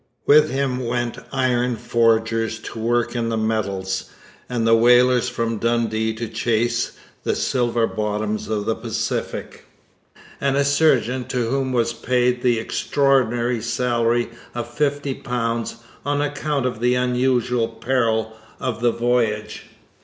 With him went iron forgers to work in the metals, and whalers from Dundee to chase the silver bottoms of the Pacific, and a surgeon, to whom was paid the extraordinary salary of £50 on account of the unusual peril of the voyage.